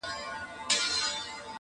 زه چې پرې مرمه زما سلګو کښې اوسه